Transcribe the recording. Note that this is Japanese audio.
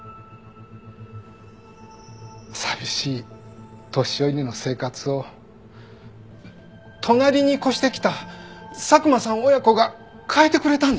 寂しい年寄りの生活を隣に越してきた佐久間さん親子が変えてくれたんです。